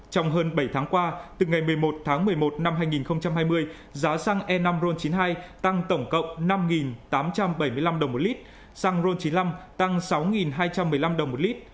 trong hơn bảy tháng qua từ ngày một mươi một tháng một mươi một năm hai nghìn hai mươi giá xăng e năm ron chín mươi hai tăng tổng cộng năm tám trăm bảy mươi năm đồng một lít xăng ron chín mươi năm tăng sáu hai trăm một mươi năm đồng một lít